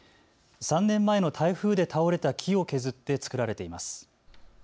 ３年前の台風で倒れた木を削って作られています。